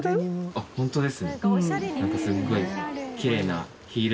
あっホントですね。